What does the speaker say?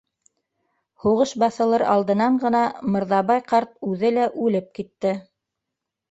Һуғыш баҫылыр алдынан ғына Мырҙабай ҡарт үҙе лә үлеп китте.